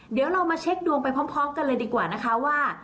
เดี๋ยวเรามาเช็คดวงไปพร้อมกันเลยดีกว่านะคะว่า